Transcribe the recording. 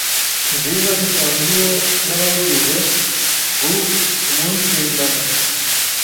nziza zisangiwe n’abawugize: guumunsindana,